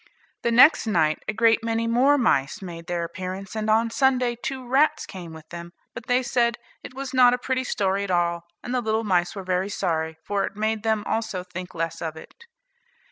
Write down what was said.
The next night a great many more mice made their appearance, and on Sunday two rats came with them; but they said, it was not a pretty story at all, and the little mice were very sorry, for it made them also think less of it.